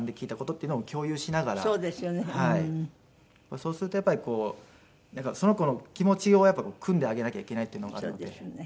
そうするとやっぱりその子の気持ちをくんであげなきゃいけないっていうのがあるので。